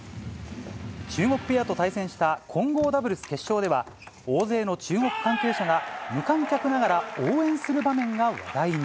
中国ペアと対戦した混合ダブルス決勝では、大勢の中国関係者が、無観客ながら応援する場面が話題に。